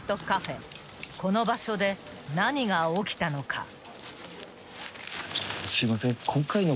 ［この場所で何が起きたのか］